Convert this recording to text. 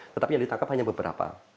tetapi yang ditangkap hanya beberapa